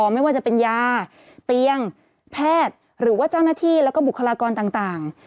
ไม่ว่าจะเป็นยาเตียงแพทย์หรือว่าเจ้าหน้าที่แล้วก็บุคลากรต่าง